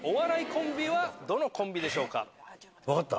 分かった？